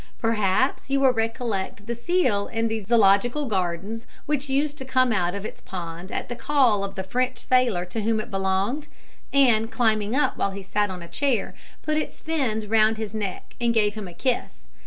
Perhaps you will recollect the seal in the Zoological Gardens, which used to come out of its pond at the call of the French sailor to whom it belonged, and, climbing up while he sat on a chair, put its fins round his neck and give him a kiss.